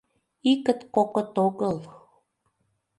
икыт-кокыт огыл...